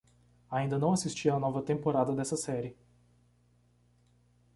Ainda não assisti a nova temporada dessa série